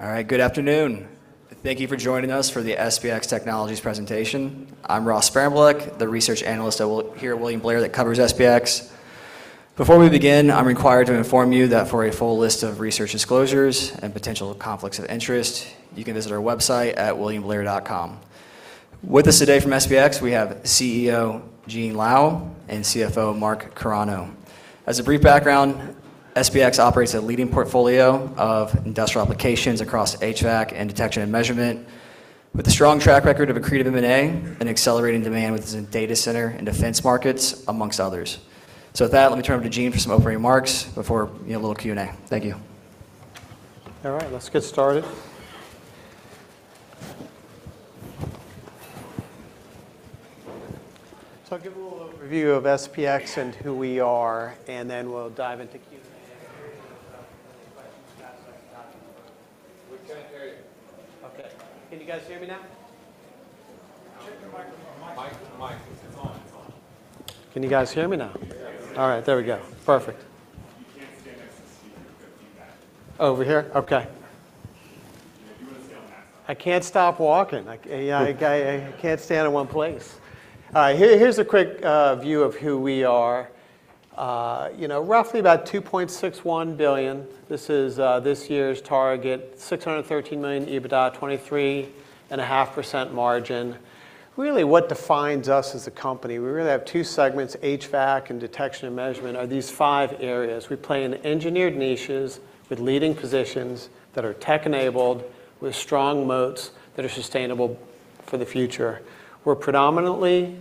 All right. Good afternoon. Thank you for joining us for the SPX Technologies presentation. I'm Ross Sparenblek, the research analyst here at William Blair that covers SPX. Before we begin, I'm required to inform you that for a full list of research disclosures and potential conflicts of interest, you can visit our website at williamblair.com. With us today from SPX, we have CEO Gene Lowe and CFO Mark Carano. As a brief background, SPX operates a leading portfolio of industrial applications across HVAC and Detection and Measurement, with a strong track record of accretive M&A and accelerating demand within the data center and defense markets, amongst others. With that, let me turn it over to Gene for some opening remarks before a little Q&A. Thank you. All right, let's get started. I'll give a little overview of SPX and who we are, and then we'll dive into Q&A. We can't hear you. Okay. Can you guys hear me now? Check the microphone. Mic. It's your phone. Can you guys hear me now? Yes. All right. There we go. Perfect. Over here? Okay. I can't stop walking. I can't stand in one place. Here's a quick view of who we are. Roughly about $2.61 billion. This is this year's target. $613 million EBITDA, 23.5% margin. Really what defines us as a company, we really have two segments, HVAC and Detection and Measurement, are these five areas. We play in engineered niches with leading positions that are tech-enabled, with strong moats that are sustainable for the future. We're predominantly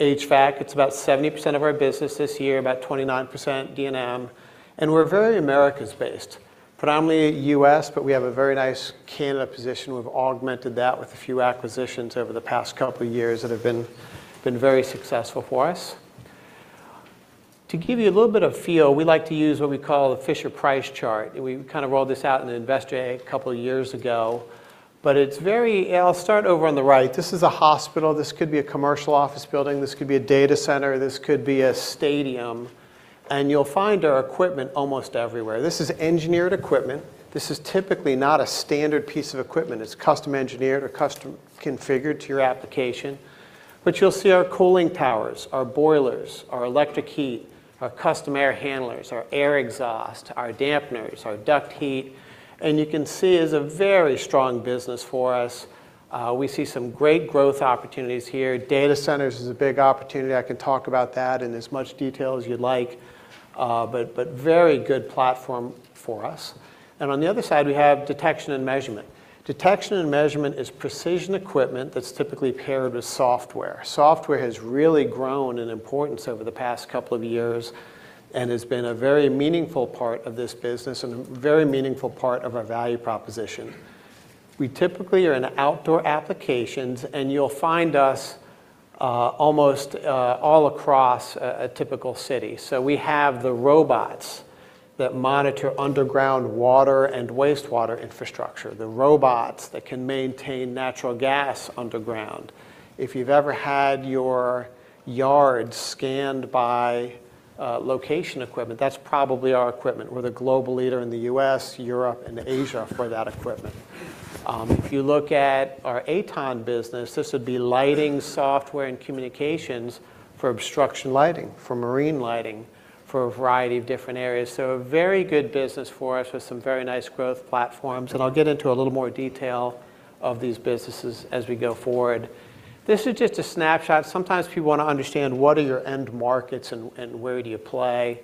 HVAC. It's about 70% of our business this year, about 29% D&M. We're very Americas-based, predominantly U.S., but we have a very nice Canada position. We've augmented that with a few acquisitions over the past couple of years that have been very successful for us. To give you a little bit of feel, we like to use what we call a Fisher-Price chart. We kind of rolled this out in an investor day a couple of years ago. I'll start over on the right. This is a hospital. This could be a commercial office building. This could be a data center. This could be a stadium. You'll find our equipment almost everywhere. This is engineered equipment. This is typically not a standard piece of equipment. It's custom engineered or custom configured to your application. You'll see our cooling towers, our boilers, our electric heat, our custom air handlers, our air exhaust, our dampers, our duct heat. You can see it's a very strong business for us. We see some great growth opportunities here. Data centers is a big opportunity. I can talk about that in as much detail as you'd like, very good platform for us. On the other side, we have Detection and Measurement. Detection and Measurement is precision equipment that's typically paired with software. Software has really grown in importance over the past couple of years and has been a very meaningful part of this business and a very meaningful part of our value proposition. We typically are in outdoor applications, and you'll find us almost all across a typical city. We have the robots that monitor underground water and wastewater infrastructure, the robots that can maintain natural gas underground. If you've ever had your yard scanned by location equipment, that's probably our equipment. We're the global leader in the U.S., Europe, and Asia for that equipment. If you look at our AtoN business, this would be lighting software and communications for obstruction lighting, for marine lighting, for a variety of different areas. A very good business for us with some very nice growth platforms. I'll get into a little more detail of these businesses as we go forward. This is just a snapshot. Sometimes people want to understand what are your end markets and where do you play.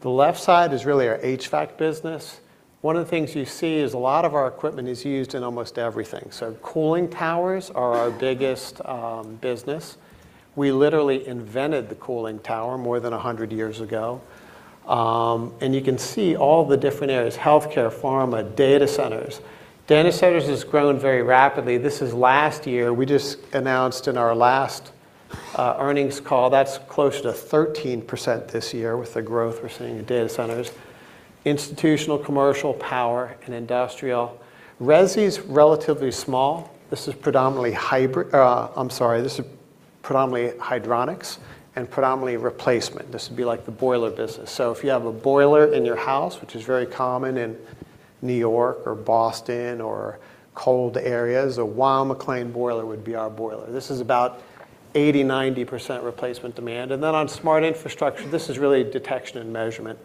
The left side is really our HVAC business. One of the things you see is a lot of our equipment is used in almost everything. Cooling towers are our biggest business. We literally invented the cooling tower more than 100 years ago. You can see all the different areas, healthcare, pharma, data centers. Data centers has grown very rapidly. This is last year. We just announced in our last earnings call, that's close to 13% this year with the growth we're seeing in data centers. Institutional, commercial, power, and industrial. Resi's relatively small. This is predominantly hydronics and predominantly replacement. This would be like the boiler business. If you have a boiler in your house, which is very common in New York or Boston or cold areas, a Weil-McLain boiler would be our boiler. This is about 80%, 90% replacement demand. On smart infrastructure, this is really Detection and Measurement.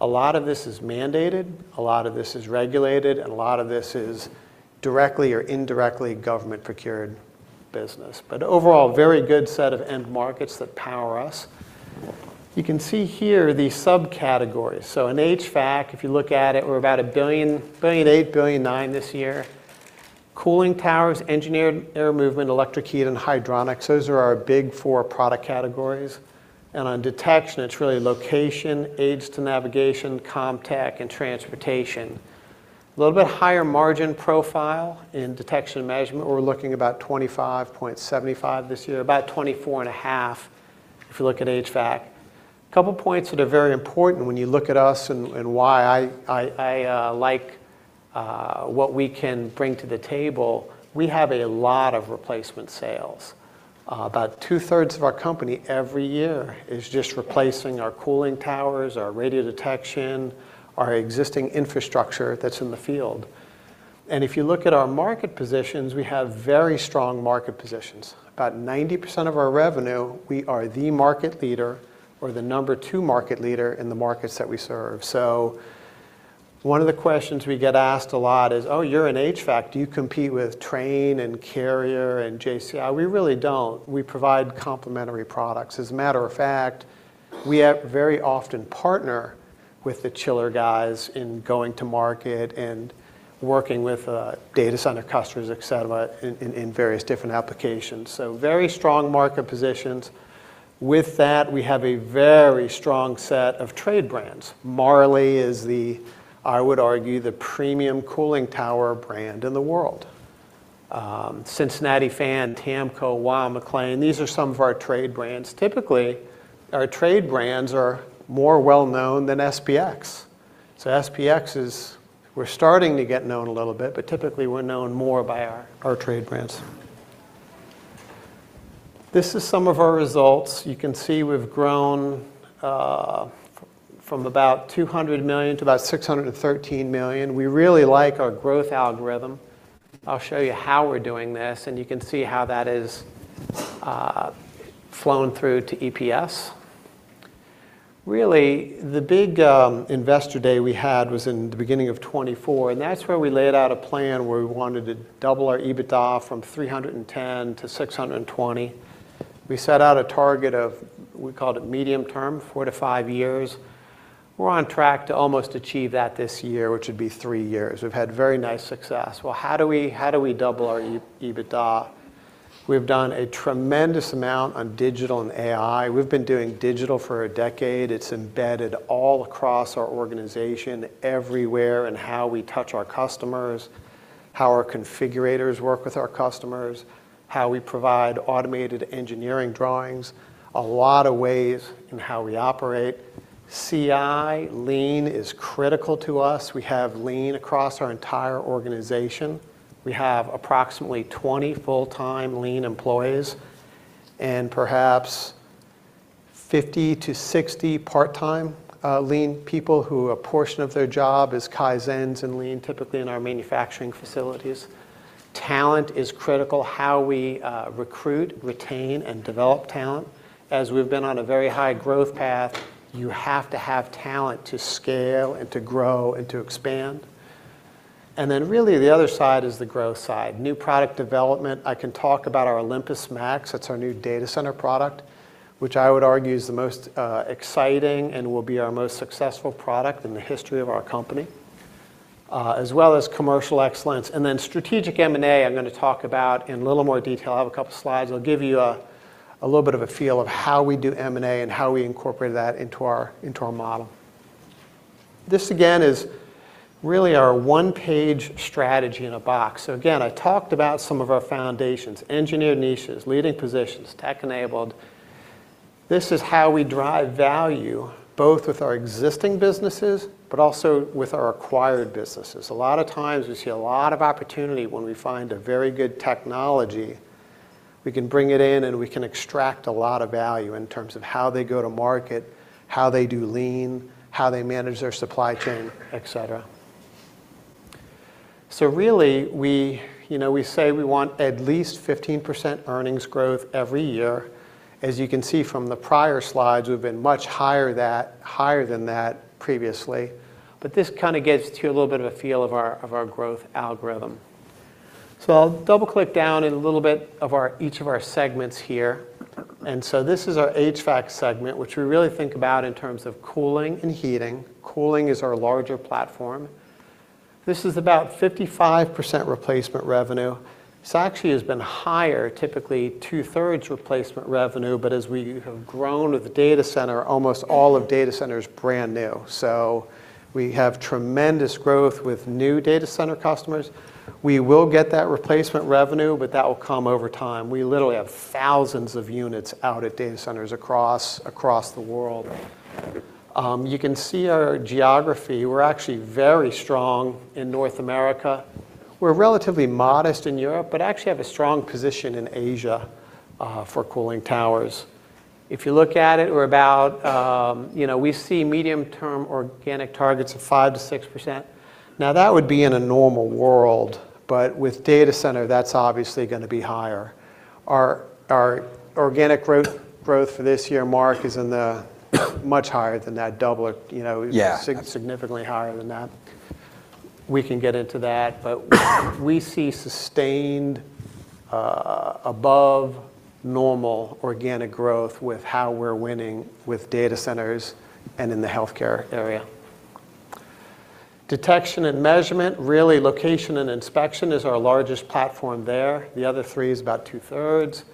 A lot of this is mandated, a lot of this is regulated, and a lot of this is directly or indirectly government-procured business. Overall, very good set of end markets that power us. You can see here the subcategories. In HVAC, if you look at it, we're about $1.8 billion, $1.9 billion this year. Cooling towers, engineered air movement, electric heat, and hydronics. Those are our big four product categories. On detection, it is really location, Aids to Navigation, CommTech, and transportation. A little bit higher margin profile in Detection and Measurement. We are looking about 25.75% this year, about 24.5% if you look at HVAC. A couple points that are very important when you look at us and why I like what we can bring to the table. We have a lot of replacement sales. About two-thirds of our company every year is just replacing our cooling towers, our radio detection, our existing infrastructure that is in the field. If you look at our market positions, we have very strong market positions. About 90% of our revenue, we are the market leader or the number two market leader in the markets that we serve. One of the questions we get asked a lot is, "Oh, you're in HVAC. Do you compete with Trane and Carrier and JCI?" We really don't. We provide complementary products. As a matter of fact, we very often partner with the chiller guys in going to market and working with data center customers, et cetera, in various different applications. Very strong market positions. With that, we have a very strong set of trade brands. Marley is, I would argue, the premium cooling tower brand in the world. Cincinnati Fan, TAMCO, WA, Weil-McLain, these are some of our trade brands. Typically, our trade brands are more well-known than SPX. SPX, we're starting to get known a little bit, but typically we're known more by our trade brands. This is some of our results. You can see we've grown from about $200 million to about $613 million. We really like our growth algorithm. I'll show you how we're doing this, and you can see how that has flown through to EPS. The big investor day we had was in the beginning of 2024, and that's where we laid out a plan where we wanted to double our EBITDA from 310 to 620. We set out a target of, we called it medium term, four to five years. We're on track to almost achieve that this year, which would be three years. We've had very nice success. How do we double our EBITDA? We've done a tremendous amount on digital and AI. We've been doing digital for a decade. It's embedded all across our organization, everywhere in how we touch our customers, how our configurators work with our customers, how we provide automated engineering drawings. A lot of ways in how we operate. CI, Lean is critical to us. We have Lean across our entire organization. We have approximately 20 full-time Lean employees and perhaps 50 to 60 part-time Lean people who a portion of their job is Kaizens and Lean, typically in our manufacturing facilities. Talent is critical, how we recruit, retain, and develop talent. We've been on a very high growth path, you have to have talent to scale and to grow and to expand. Really the other side is the growth side. New product development. I can talk about our OlympusMAX. That's our new data center product, which I would argue is the most exciting and will be our most successful product in the history of our company, as well as commercial excellence. Strategic M&A, I'm going to talk about in a little more detail. I have a couple slides that'll give you a little bit of a feel of how we do M&A and how we incorporate that into our model. This, again, is really our one-page strategy in a box. Again, I talked about some of our foundations, engineered niches, leading positions, tech-enabled. This is how we drive value, both with our existing businesses, but also with our acquired businesses. A lot of times, we see a lot of opportunity when we find a very good technology. We can bring it in, and we can extract a lot of value in terms of how they go to market, how they do Lean, how they manage their supply chain, et cetera. Really, we say we want at least 15% earnings growth every year. As you can see from the prior slides, we've been much higher than that previously. This kind of gives you a little bit of a feel of our growth algorithm. I'll double-click down in a little bit of each of our segments here. This is our HVAC segment, which we really think about in terms of cooling and heating. Cooling is our larger platform. This is about 55% replacement revenue. This actually has been higher, typically two-thirds replacement revenue, but as we have grown with data center, almost all of data center is brand new. We have tremendous growth with new data center customers. We will get that replacement revenue, but that will come over time. We literally have thousands of units out at data centers across the world. You can see our geography. We're actually very strong in North America. We're relatively modest in Europe, but actually have a strong position in Asia for cooling towers. If you look at it, we see medium-term organic targets of 5%-6%. That would be in a normal world, but with data center, that's obviously going to be higher. Our organic growth for this year, Mark, is much higher than that, double it. Yeah. Significantly higher than that. We can get into that. We see sustained above normal organic growth with how we're winning with data centers and in the healthcare area. Detection and Measurement, really, location and inspection is our largest platform there. The other three is about two-thirds.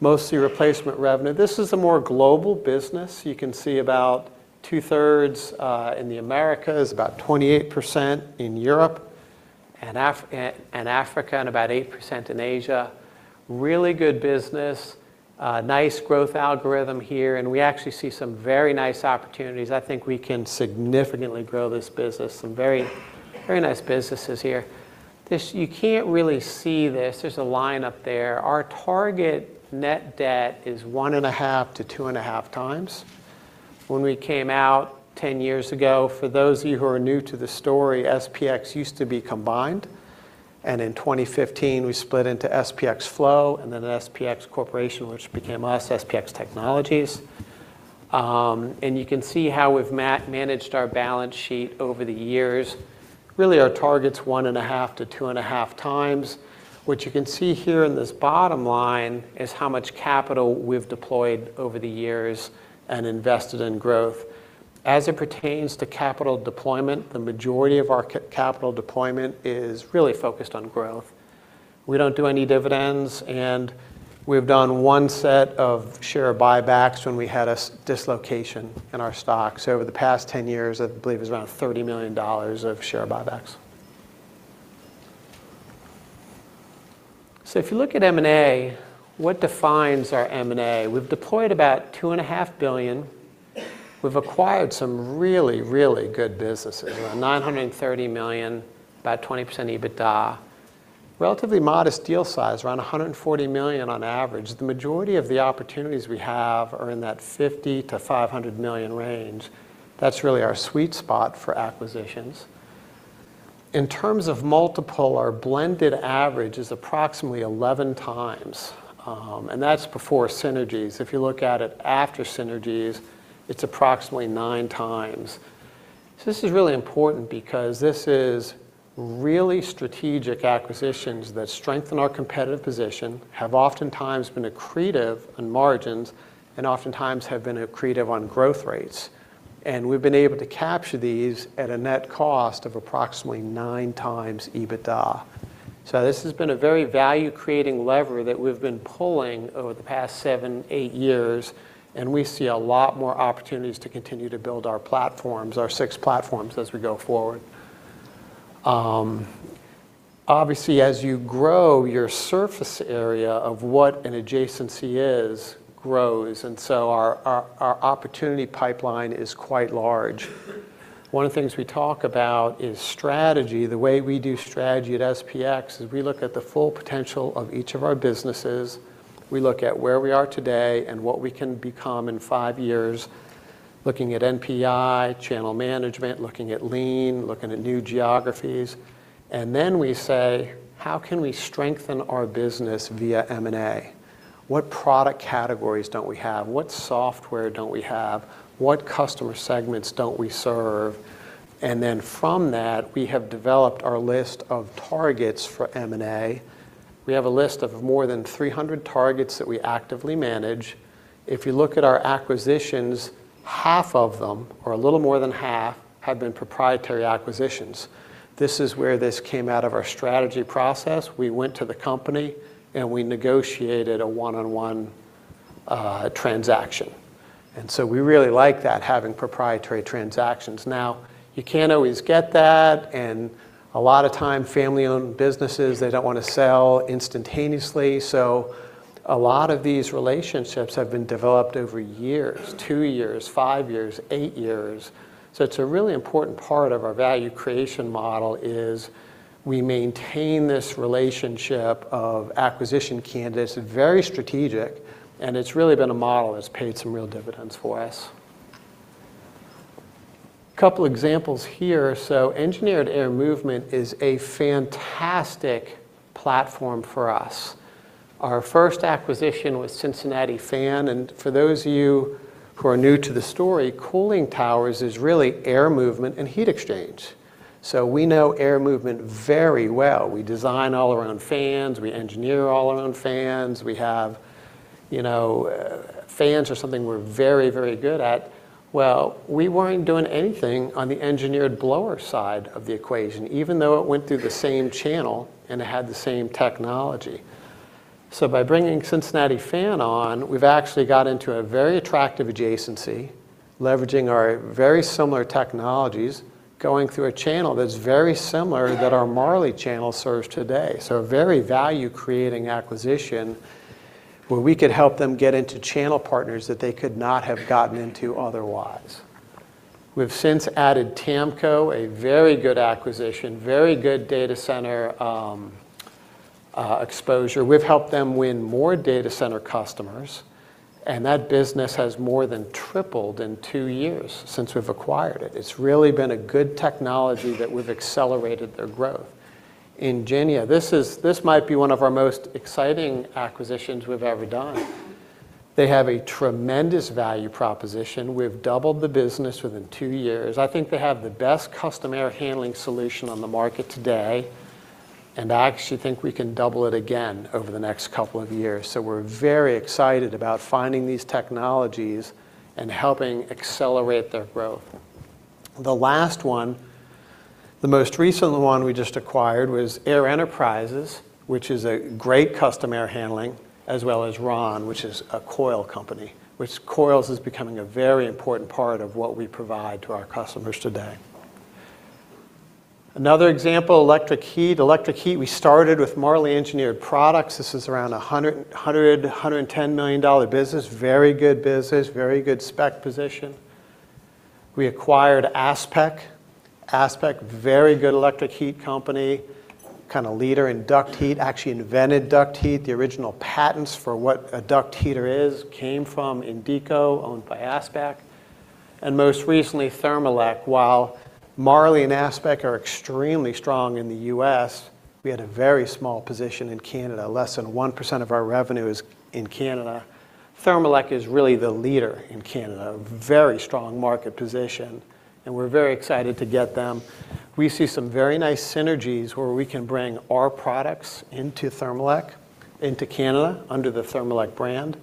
Mostly replacement revenue. This is a more global business. You can see about two-thirds in the Americas, about 28% in Europe and Africa, and about 8% in Asia. Really good business. Nice growth algorithm here, and we actually see some very nice opportunities. I think we can significantly grow this business. Some very nice businesses here. You can't really see this. There's a line up there. Our target net debt is 1.5 to 2.5 times. When we came out 10 years ago, for those of you who are new to the story, SPX used to be combined. In 2015, we split into SPX FLOW and then SPX Corporation, which became us, SPX Technologies. You can see how we've managed our balance sheet over the years. Really, our target's 1.5 to 2.5 times, which you can see here in this bottom line is how much capital we've deployed over the years and invested in growth. As it pertains to capital deployment, the majority of our capital deployment is really focused on growth. We don't do any dividends, and we've done one set of share buybacks when we had a dislocation in our stocks. Over the past 10 years, I believe it's around $30 million of share buybacks. If you look at M&A, what defines our M&A? We've deployed about $2.5 billion. We've acquired some really, really good businesses, around $930 million, about 20% EBITDA. Relatively modest deal size, around $140 million on average. The majority of the opportunities we have are in that $50 million-$500 million range. That's really our sweet spot for acquisitions. In terms of multiple, our blended average is approximately 11 times, and that's before synergies. If you look at it after synergies, it's approximately nine times. This is really important because this is really strategic acquisitions that strengthen our competitive position, have oftentimes been accretive on margins, and oftentimes have been accretive on growth rates. We've been able to capture these at a net cost of approximately nine times EBITDA. This has been a very value-creating lever that we've been pulling over the past seven, eight years, and we see a lot more opportunities to continue to build our platforms, our six platforms, as we go forward. Obviously, as you grow, your surface area of what an adjacency is grows. Our opportunity pipeline is quite large. One of the things we talk about is strategy. The way we do strategy at SPX is we look at the full potential of each of our businesses. We look at where we are today and what we can become in five years, looking at NPI, channel management, looking at Lean, looking at new geographies. We say, "How can we strengthen our business via M&A? What product categories don't we have? What software don't we have? What customer segments don't we serve?" From that, we have developed our list of targets for M&A. We have a list of more than 300 targets that we actively manage. If you look at our acquisitions, half of them, or a little more than half, have been proprietary acquisitions. This is where this came out of our strategy process. We went to the company, and we negotiated a one-on-one transaction, and so we really like that, having proprietary transactions. Now, you can't always get that, and a lot of time, family-owned businesses, they don't want to sell instantaneously. A lot of these relationships have been developed over years, two years, five years, eight years. It's a really important part of our value creation model is we maintain this relationship of acquisition candidates, very strategic, and it's really been a model that's paid some real dividends for us. Couple examples here. Engineered Air Movement is a fantastic platform for us. Our first acquisition was Cincinnati Fan, and for those of you who are new to the story, cooling towers is really air movement and heat exchange. We know air movement very well. We design all our own fans. We engineer all our own fans. Fans are something we're very good at. We weren't doing anything on the engineered blower side of the equation, even though it went through the same channel and it had the same technology. By bringing Cincinnati Fan on, we've actually got into a very attractive adjacency, leveraging our very similar technologies, going through a channel that's very similar that our Marley channel serves today. We've since added TAMCO, a very good acquisition, very good data center exposure. We've helped them win more data center customers, and that business has more than tripled in two years since we've acquired it. It's really been a good technology that we've accelerated their growth. Ingénia, this might be one of our most exciting acquisitions we've ever done. They have a tremendous value proposition. We've doubled the business within two years. I think they have the best custom air handling solution on the market today, and I actually think we can double it again over the next couple of years. We're very excited about finding these technologies and helping accelerate their growth. The last one, the most recent one we just acquired was Air Enterprises, which is a great custom air handling, as well as Rahn, which is a coil company. Which coils is becoming a very important part of what we provide to our customers today. Another example, electric heat. Electric heat, we started with Marley Engineered Products. This is around $100, $110 million business. Very good business. Very good spec position. We acquired ASPEQ. ASPEQ, very good electric heat company, leader in duct heat, actually invented duct heat. The original patents for what a duct heater is came from Indeeco, owned by ASPEQ. Most recently, Thermolec. While Marley and ASPEQ are extremely strong in the U.S., we had a very small position in Canada. Less than 1% of our revenue is in Canada. Thermolec is really the leader in Canada, a very strong market position, we're very excited to get them. We see some very nice synergies where we can bring our products into Thermolec, into Canada, under the Thermolec brand.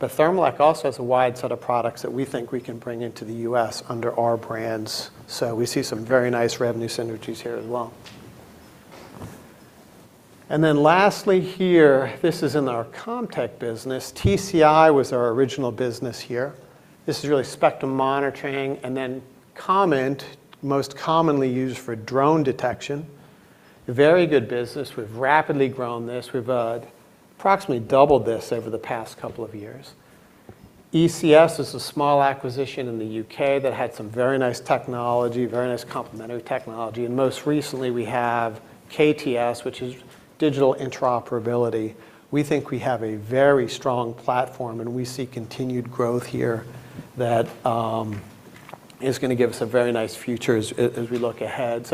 Thermolec also has a wide set of products that we think we can bring into the U.S. under our brands. We see some very nice revenue synergies here as well. Lastly here, this is in our CommTech business. TCI was our original business here. This is really spectrum monitoring, CommTech, most commonly used for drone detection. A very good business. We've rapidly grown this. We've approximately doubled this over the past couple of years. ECS is a small acquisition in the U.K. that had some very nice technology, very nice complementary technology. Most recently, we have KTS, which is digital interoperability. We think we have a very strong platform, and we see continued growth here that is going to give us a very nice future as we look ahead.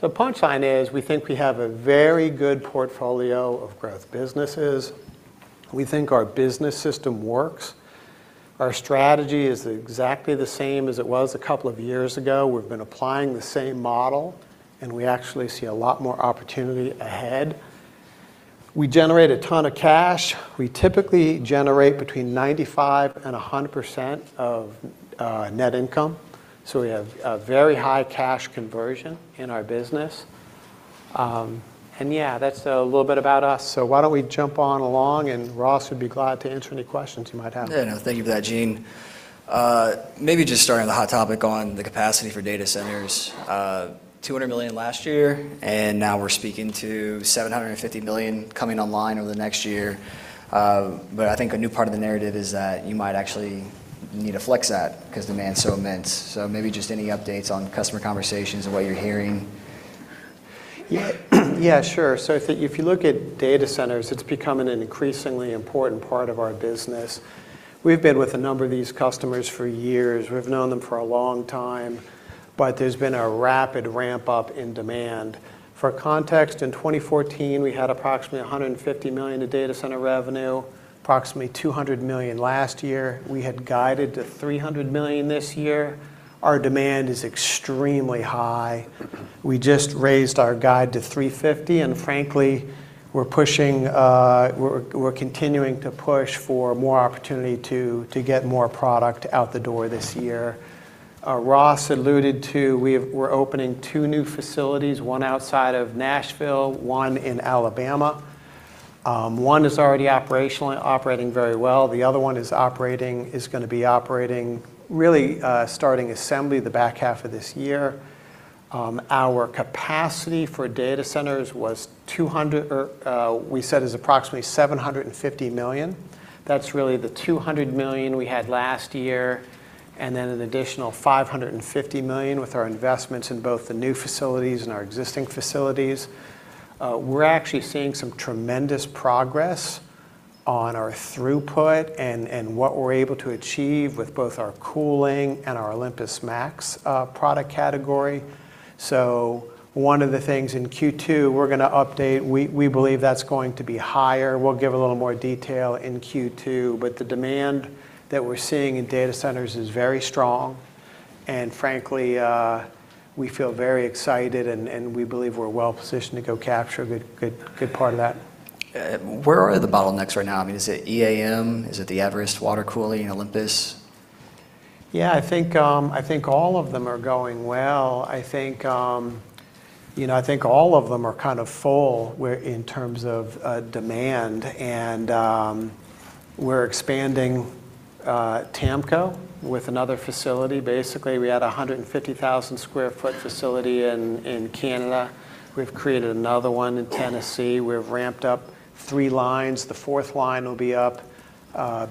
The punchline is, we think we have a very good portfolio of growth businesses. We think our business system works. Our strategy is exactly the same as it was a couple of years ago. We've been applying the same model, and we actually see a lot more opportunity ahead. We generate a ton of cash. We typically generate between 95% and 100% of net income, so we have a very high cash conversion in our business. Yeah, that's a little bit about us. Why don't we jump on along, and Ross would be glad to answer any questions you might have. Yeah, no, thank you for that, Gene Lowe. Maybe just starting on the hot topic on the capacity for data centers. $200 million last year, and now we're speaking to $750 million coming online over the next year. I think a new part of the narrative is that you might actually need to flex that because demand's so immense. Maybe just any updates on customer conversations and what you're hearing. Yeah, sure. I think if you look at data centers, it's becoming an increasingly important part of our business. We've been with a number of these customers for years. We've known them for a long time. There's been a rapid ramp-up in demand. For context, in 2014, we had approximately $150 million of data center revenue, approximately $200 million last year. We had guided to $300 million this year. Our demand is extremely high. We just raised our guide to $350 million, and frankly, we're continuing to push for more opportunity to get more product out the door this year. Ross alluded to we're opening two new facilities, one outside of Nashville, one in Alabama. One is already operational and operating very well. The other one is going to be operating, really, starting assembly the back half of this year. Our capacity for data centers was $200, or we said is approximately $750 million. That's really the $200 million we had last year and then an additional $550 million with our investments in both the new facilities and our existing facilities. We're actually seeing some tremendous progress on our throughput and what we're able to achieve with both our cooling and our OlympusMAX product category. One of the things in Q2, we're going to update, we believe that's going to be higher. We'll give a little more detail in Q2, the demand that we're seeing in data centers is very strong. Frankly, we feel very excited and we believe we're well-positioned to go capture a good part of that. Where are the bottlenecks right now? Is it EAM? Is it the Everest water cooling, OlympusMAX? Yeah, I think all of them are going well. I think all of them are kind of full in terms of demand. We're expanding TAMCO with another facility. Basically, we had 150,000 sq ft facility in Canada. We've created another one in Tennessee. We've ramped up three lines. The fourth line will be up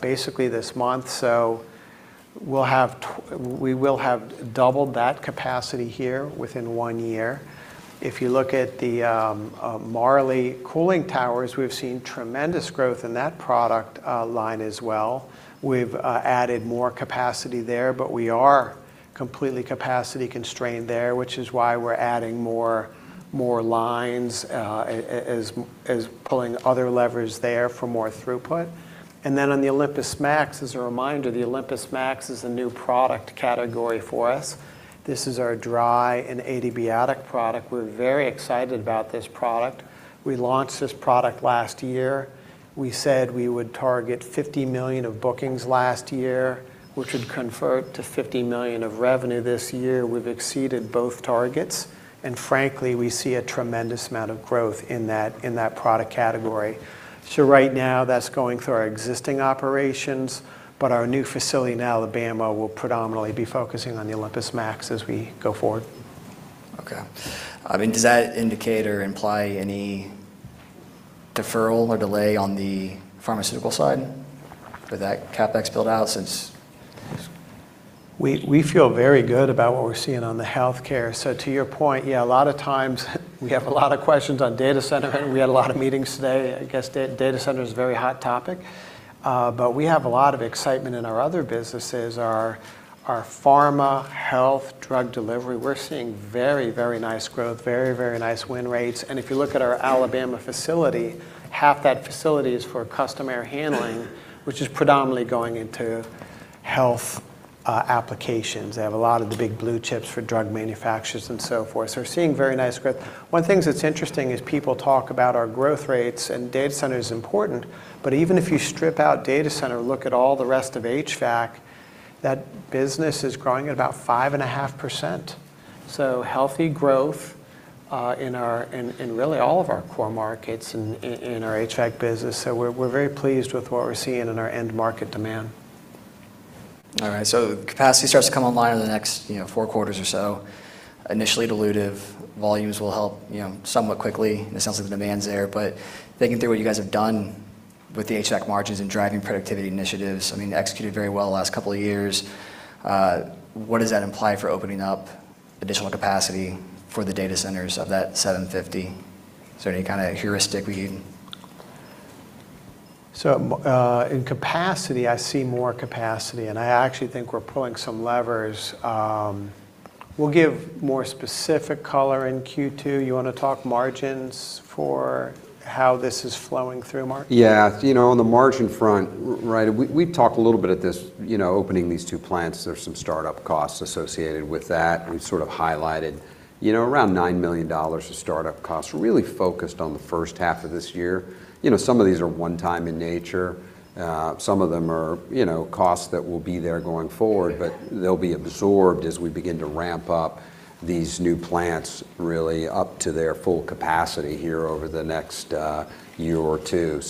basically this month. We will have doubled that capacity here within one year. If you look at the Marley cooling towers, we've seen tremendous growth in that product line as well. We've added more capacity there, but we are completely capacity constrained there, which is why we're adding more lines, as pulling other levers there for more throughput. Then on the OlympusMAX, as a reminder, the OlympusMAX is a new product category for us. This is our dry and adiabatic product. We're very excited about this product. We launched this product last year. We said we would target $50 million of bookings last year, which would convert to $50 million of revenue this year. We've exceeded both targets, and frankly, we see a tremendous amount of growth in that product category. Right now, that's going through our existing operations, but our new facility in Alabama will predominantly be focusing on the OlympusMAX as we go forward. Okay. Does that indicate or imply any deferral or delay on the pharmaceutical side for that CapEx build-out since. We feel very good about what we're seeing on the healthcare. To your point, yeah, a lot of times we have a lot of questions on data center. We had a lot of meetings today. I guess data center is a very hot topic. We have a lot of excitement in our other businesses, our pharma, health, drug delivery. We're seeing very nice growth, very nice win rates. If you look at our Alabama facility, half that facility is for customer handling, which is predominantly going into health applications. They have a lot of the big blue chips for drug manufacturers and so forth. We're seeing very nice growth. One of the things that's interesting is people talk about our growth rates, and data center is important, but even if you strip out data center, look at all the rest of HVAC, that business is growing at about 5.5%. Healthy growth in really all of our core markets and in our HVAC business. We're very pleased with what we're seeing in our end market demand. All right. Capacity starts to come online in the next four quarters or so. Initially dilutive volumes will help somewhat quickly, and it sounds like the demand's there. Thinking through what you guys have done with the HVAC margins and driving productivity initiatives, executed very well the last couple of years, what does that imply for opening up additional capacity for the data centers of that 750? Is there any kind of heuristic we can? In capacity, I see more capacity, and I actually think we're pulling some levers. We'll give more specific color in Q2. You want to talk margins for how this is flowing through, Mark? On the margin front, we've talked a little bit opening these two plants, there's some start-up costs associated with that. We've sort of highlighted around $9 million of start-up costs. We're really focused on the first half of this year. Some of these are one-time in nature. Some of them are costs that will be there going forward, but they'll be absorbed as we begin to ramp up these new plants really up to their full capacity here over the next year or two.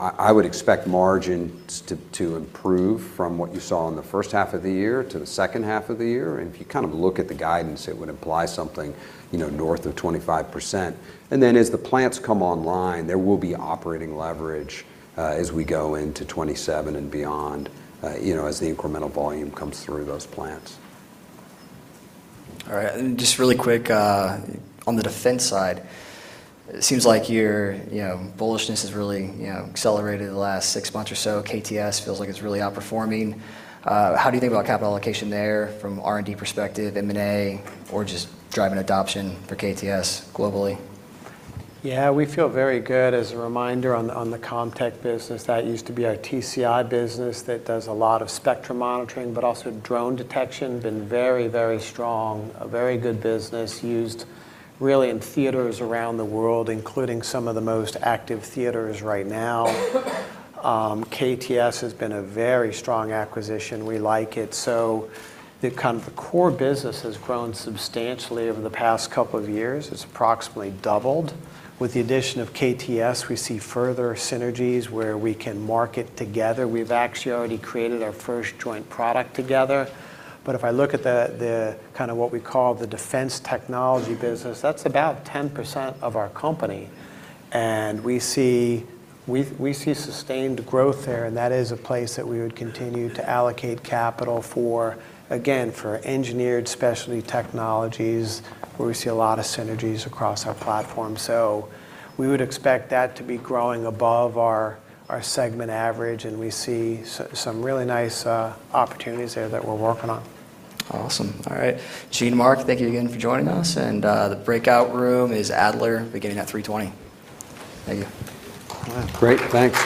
I would expect margins to improve from what you saw in the first half of the year to the second half of the year. If you look at the guidance, it would imply something north of 25%. As the plants come online, there will be operating leverage as we go into 2027 and beyond, as the incremental volume comes through those plants. All right. Just really quick, on the defense side, it seems like your bullishness has really accelerated in the last six months or so. KTS feels like it's really outperforming. How do you think about capital allocation there from R&D perspective, M&A, or just driving adoption for KTS globally? We feel very good. As a reminder on the CommTech business, that used to be our TCI business that does a lot of spectrum monitoring, but also drone detection. Been very strong. A very good business. Used really in theaters around the world, including some of the most active theaters right now. KTS has been a very strong acquisition. We like it. The core business has grown substantially over the past couple of years. It's approximately doubled. With the addition of KTS, we see further synergies where we can market together. We've actually already created our first joint product together. If I look at what we call the defense technology business, that's about 10% of our company, and we see sustained growth there, and that is a place that we would continue to allocate capital for, again, for engineered specialty technologies, where we see a lot of synergies across our platform. We would expect that to be growing above our segment average, and we see some really nice opportunities there that we're working on. Awesome. All right. Gene, Mark, thank you again for joining us, and the breakout room is Adler beginning at 3:20 P.M. Thank you. All right, great. Thanks.